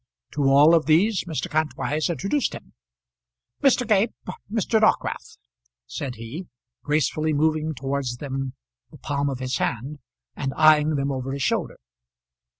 To all of these, Mr. Kantwise introduced him. "Mr. Gape, Mr. Dockwrath," said he, gracefully moving towards them the palm of his hand, and eyeing them over his shoulder.